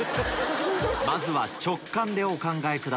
まずは直感でお考えください